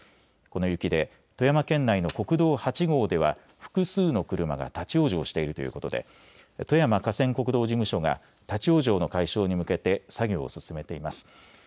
この雪で富山県内の国道８号では複数の車が立往生しているということで富山河川国道事務所が立往生の解消に向けて作業を進めています。